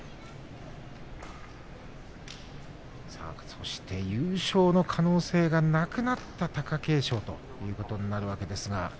そして、優勝の可能性がなくなった貴景勝ということになります。